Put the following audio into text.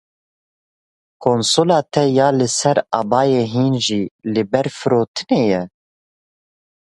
Konsola te ya li ser Ebayê hîn jî li ber firotinê ye?